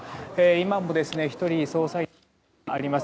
今も１人捜査員の姿があります。